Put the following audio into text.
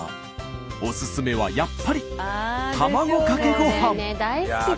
オススメはやっぱり卵かけごはん。